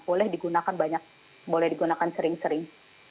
boleh digunakan banyak boleh digunakan sering sering